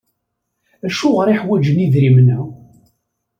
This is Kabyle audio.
Acuɣer i ḥwajen idrimen-a?